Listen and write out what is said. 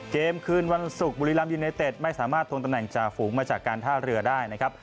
เกมคืนวันศุกร์บุรีรัมยูเนเต็ดไม่สามารถทวงตำแหน่งจ่าฝูงมาจากการท่าเรือได้นะครับ